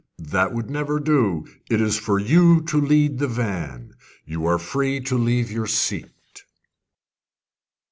"That would never do: it is for you to lead the van. You are free to leave your seat."